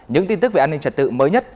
những tin tức về an ninh trật tự mới nhất